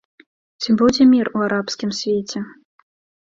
Ці будзе мір у арабскім свеце?